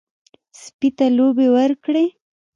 سپي ته لوبې ورکړئ.